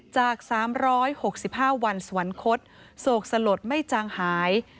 จาก๓๖๕วันสวรรคตโศกสลดไม่จางหาย